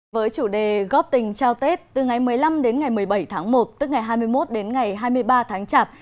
với chủ đề góp tình trao tết từ ngày một mươi năm đến ngày một mươi bảy tháng một tức ngày hai mươi một đến ngày hai mươi ba tháng chạp